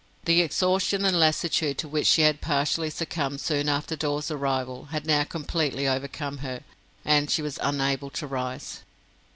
The exhaustion and lassitude to which she had partially succumbed soon after Dawes's arrival, had now completely overcome her, and she was unable to rise.